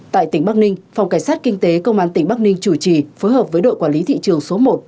tại tỉnh bắc ninh phòng cảnh sát kinh tế công an tỉnh bắc ninh chủ trì phối hợp với đội quản lý thị trường số một